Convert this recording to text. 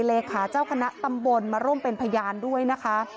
เลขาเจ้าคณะตำบลมาร่วมเป็นพยานด้วยนะคะ